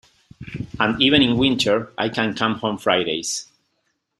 And even in winter I can come home Fridays.